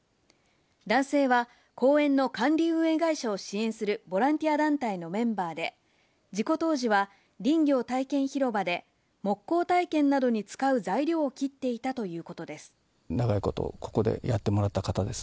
男性は、公園の管理運営会社を支援するボランティア団体のメンバーで、事故当時は林業体験広場で、木工体験などに使う材料を切っていたということです。